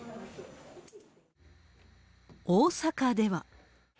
大阪では。